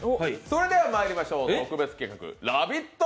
それではまいりましょう、特別企画、「ラヴィット！」